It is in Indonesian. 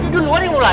dulu aja yang mulai